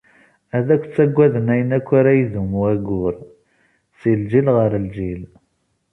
Ad k-ttaggaden ayen akk ara idum wayyur, si lǧil ɣer lǧil.